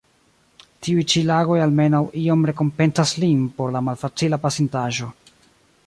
Tiuj ĉi tagoj almenaŭ iom rekompencas lin por la malfacila pasintaĵo.